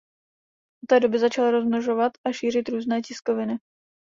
Od té doby začal rozmnožovat a šířit různé tiskoviny.